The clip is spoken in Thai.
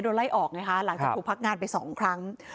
ไล่ออกไงคะหลังจากถูกพักงานไปสองครั้ง